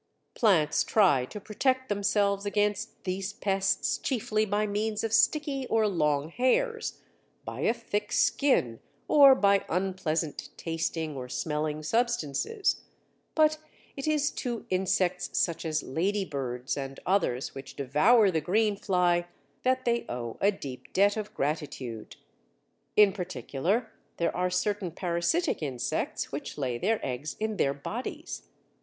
Plants try to protect themselves against these pests chiefly by means of sticky or long hairs, by a thick skin, or by unpleasant tasting or smelling substances. But it is to insects such as lady birds and others which devour the green fly that they owe a deep debt of gratitude. In particular, there are certain parasitic insects which lay their eggs in their bodies.